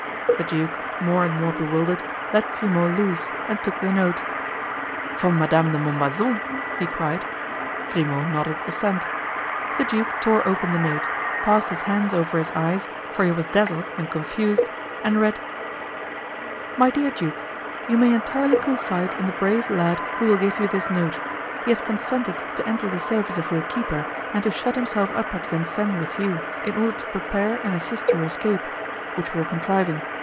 The duke, more and more bewildered, let Grimaud loose and took the note. "From Madame de Montbazon?" he cried. Grimaud nodded assent. The duke tore open the note, passed his hands over his eyes, for he was dazzled and confused, and read: "My Dear Duke,—You may entirely confide in the brave lad who will give you this note; he has consented to enter the service of your keeper and to shut himself up at Vincennes with you, in order to prepare and assist your escape, which we are contriving.